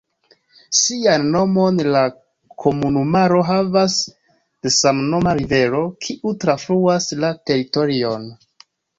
Sian nomon la komunumaro havas de samnoma rivero, kiu trafluas la teritorion.